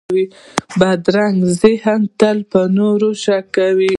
بدرنګه ذهن تل پر نورو شک کوي